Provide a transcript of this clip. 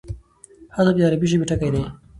حذف د عربي ژبي ټکی دﺉ.